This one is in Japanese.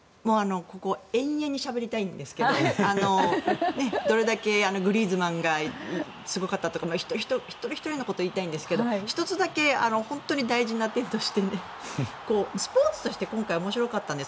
延々にしゃべりたいんですけどどれだけグリーズマンがすごかったかとか一人ひとりのことを言いたいですが１つだけ本当に大事な点としてスポーツとして今回面白かったんです。